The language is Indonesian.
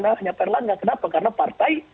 hanya pak erlangga kenapa karena partai